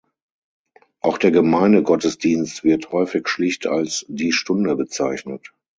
Auch der Gemeindegottesdienst wird häufig schlicht als "die Stunde" bezeichnet.